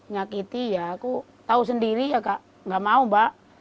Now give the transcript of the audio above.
nyakiti ya aku tahu sendiri ya kak gak mau mbak